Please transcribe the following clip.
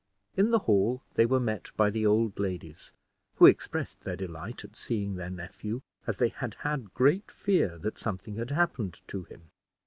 In the hall they were met by the old ladies, who expressed their delight at seeing their nephew, as they had had great fear that something had happened to him.